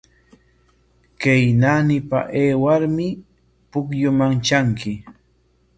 Kay naanipa aywarmi pukyuman tranki.